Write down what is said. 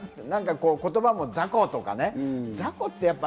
言葉もザコとかね。